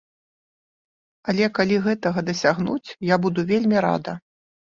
Але калі гэтага дасягнуць, я буду вельмі рада.